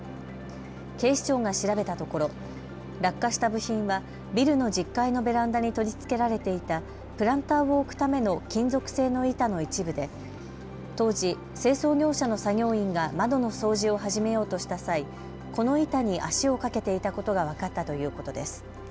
警視庁が調べたところ落下した部品はビルの１０階のベランダに取り付けられていたプランターも多くための金属製の板の一部で当時、清掃業者の作業員が窓の掃除を始めようとした際、この板に足をかけていたことが分かったということです。